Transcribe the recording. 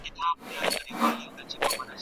سياستپوهنه موږ ته د کشمکشونو د مديريت چل راښيي.